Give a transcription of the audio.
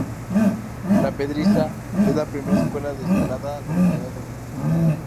La Pedriza es la primera escuela de escalada de la Comunidad de Madrid.